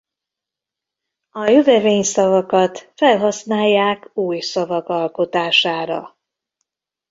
A jövevényszavakat felhasználják új szavak alkotására.